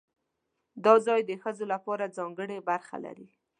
دا ځای د ښځو لپاره ځانګړې برخه لري.